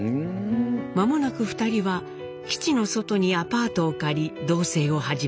間もなく２人は基地の外にアパートを借り同せいを始めます。